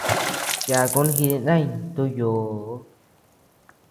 Chakun jidinay ntu yoo.